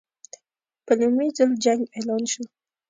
په لومړي ځل جنګ اعلان شو.